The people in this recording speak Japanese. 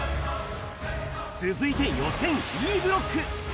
続いて予選Ｅブロック。